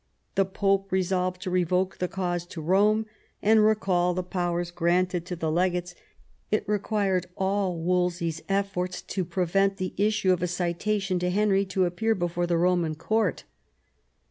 The Pope resolved to revoke the cause to Kome, and recall the powers granted to the legates ; it required all Wolsey's efforts to prevent the issue of a citation to Henry to appear before the Soman court.